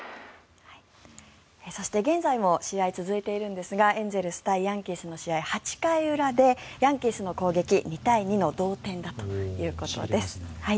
そして、現在も試合、続いているんですがエンゼルス対ヤンキースの試合８回裏でヤンキースの攻撃２対２の同点だということです。